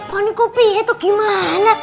kau ini kepih itu gimana